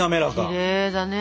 きれいだね！